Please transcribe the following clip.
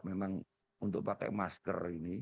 memang untuk pakai masker